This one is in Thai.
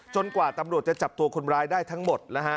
กว่าตำรวจจะจับตัวคนร้ายได้ทั้งหมดนะฮะ